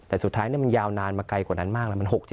คันสุดท้ายเนี่ยยาวนานมาใกล้กว่านั้นมาก